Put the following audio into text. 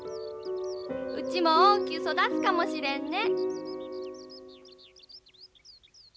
うちも大きゅう育つかもしれんね。